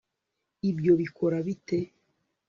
ibyo bikora bite